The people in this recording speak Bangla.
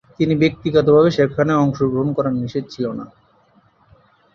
কিন্তু ব্যক্তিগতভাবে সেখানে অংশগ্রহণ করা নিষেধ ছিল না।